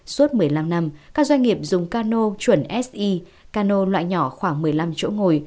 suốt một mươi năm năm các doanh nghiệp dùng cano chuẩn si cano loại nhỏ khoảng một mươi năm chỗ ngồi